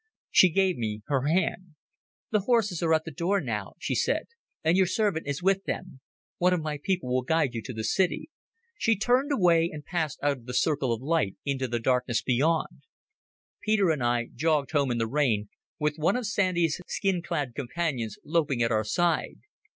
She gave me her hand. "The horses are at the door now," she said, "and your servant is with them. One of my people will guide you to the city." She turned away and passed out of the circle of light into the darkness beyond ... Peter and I jogged home in the rain with one of Sandy's skin clad Companions loping at our side.